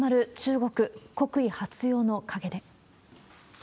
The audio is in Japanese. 国威発揚の陰で。